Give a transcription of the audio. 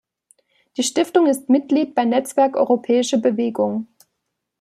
Die Stiftung ist Mitglied bei Netzwerk Europäische Bewegung.